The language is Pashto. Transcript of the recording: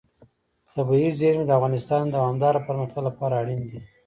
طبیعي زیرمې د افغانستان د دوامداره پرمختګ لپاره اړین دي.